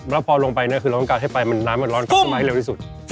แล้วพอลงไปคือเราต้องการให้ไปมันน้ำมันร้อนทึ่งมาให้เร็วที่สุด